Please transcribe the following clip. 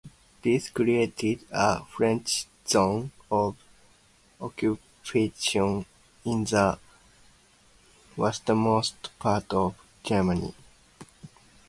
This created a French zone of occupation in the westernmost part of Germany.